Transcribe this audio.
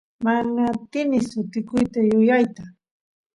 mana atini sutikuta yuyayta